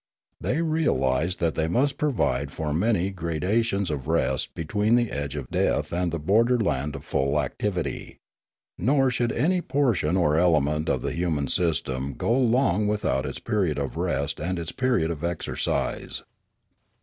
" They realised that they must provide for many grada tions of rest between the edge of death and the border land of full activity. Nor should any portion or element of the human system go long without its period of rest and its period of exercise.